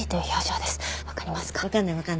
分かりますか？